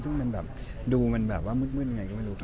ซึ่งมันแบบดูมันแบบว่ามืดยังไงก็ไม่รู้ครับ